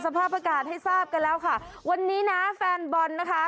สภาพอากาศให้ทราบกันแล้วค่ะวันนี้นะแฟนบอลนะคะ